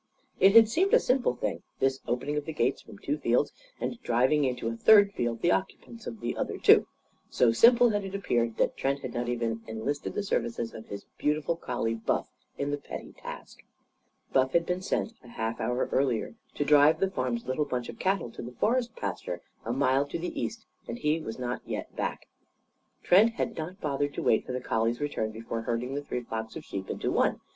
It had seemed a simple thing, this opening of the gates from two fields and driving into a third field the occupants of the other two. So simple had it appeared that Trent had not even enlisted the services of his beautiful collie Buff in the petty task. Buff had been sent, a half hour earlier, to drive the farm's little bunch of cattle to the "forest pasture," a mile to the east; and he was not yet back. Trent had not bothered to wait for the collie's return before herding the three flocks of sheep into one.